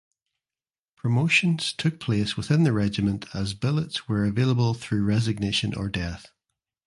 Promotions took place within the regiment as billets were available through resignation or death.